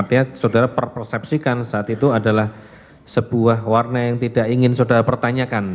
artinya saudara perpersepsikan saat itu adalah sebuah warna yang tidak ingin saudara pertanyakan